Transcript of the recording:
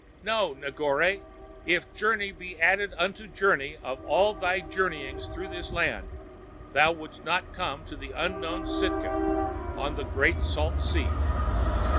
"Know, Negore, if journey be added unto journey of all thy journeyings through this land, thou wouldst not come to the unknown Sitka on the Great Salt Sea.